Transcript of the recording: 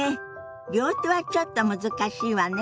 両手はちょっと難しいわね。